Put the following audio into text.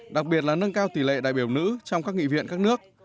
đặc biệt là nâng cao tỷ lệ đại biểu nữ trong các nghị viện các nước